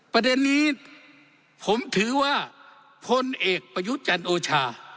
ประเด็นนี้ผมถือว่าพลเอกประยุทธ์จันทร์โอชา